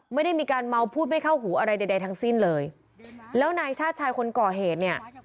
ไม่ได้มีการเมาพูดไม่เข้าหูอะไรใดทั้งสิ้นเลยแล้วนายชาติชายคนก่อเหตุเนี่ย